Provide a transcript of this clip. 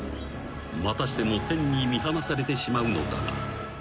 ［またしても天に見放されてしまうのだが］